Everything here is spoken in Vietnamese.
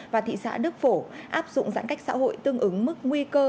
và thị xã đức phổ áp dụng giãn cách xã hội tương ứng mức nguy cơ